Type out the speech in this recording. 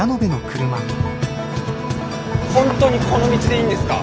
ホントにこの道でいいんですか？